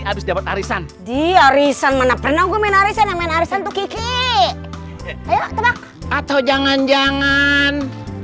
harus dapat arisan di orison mana pernah gue main arisan arisan tuh kiki atau jangan jangan